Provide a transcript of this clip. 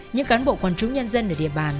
những cán bộ quản trúng nhân dân ở địa bàn